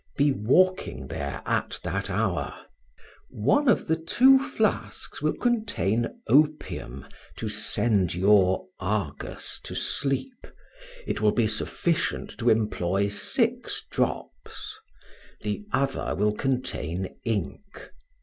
Be walking there at that hour. One of the two flasks will contain opium to send your Argus to sleep; it will be sufficient to employ six drops; the other will contain ink.